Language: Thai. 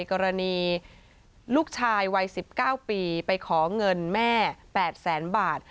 กรณีลูกชายวัย๑๙ปีไปขอเงินแม่๘แสนบาท